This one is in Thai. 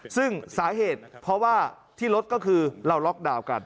ซึ่งสาเหตุเพราะว่าที่รถก็คือเราล็อกดาวน์กัน